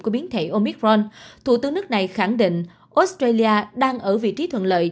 của biến thể omicron thủ tướng nước này khẳng định australia đang ở vị trí thuận lợi